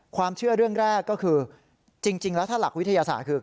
ความเชื่อเรื่องแรกก็คือจริงแล้วถ้าหลักวิทยาศาสตร์คือ